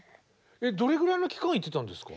どれぐらいの期間行ってたんですか？